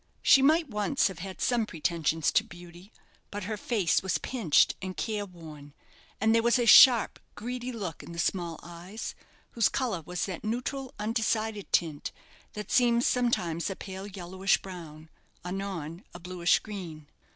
She might once have had some pretensions to beauty; but her face was pinched and careworn, and there was a sharp, greedy look in the small eyes, whose colour was that neutral, undecided tint, that seems sometimes a pale yellowish brown, anon a blueish green.